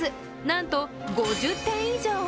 なんと５０点以上。